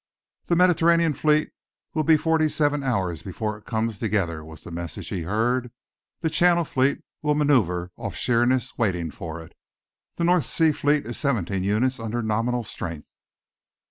"The Mediterranean Fleet will be forty seven hours before it comes together," was the message he heard. "The Channel Fleet will manoeuvre off Sheerness, waiting for it. The North Sea Fleet is seventeen units under nominal strength."